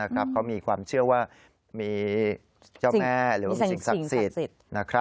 เขามีความเชื่อว่ามีเจ้าแม่หรือว่ามีสิ่งศักดิ์สิทธิ์